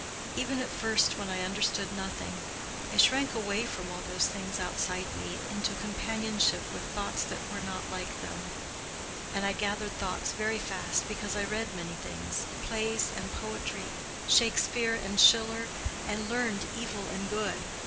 Even at first when I understood nothing, I shrank away from all those things outside me into companionship with thoughts that were not like them; and I gathered thoughts very fast, because I read many things—plays and poetry, Shakespeare and Schiller, and learned evil and good.